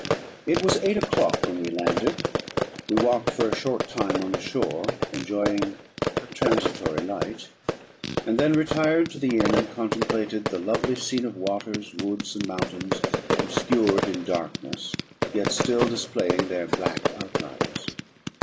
It was eight o'clock when we landed; we walked for a short time on the shore, enjoying the transitory light, and then retired to the inn, and contemplated the lovely scene of waters, woods, and mountains, obscured in darkness, yet still displaying their black outlines.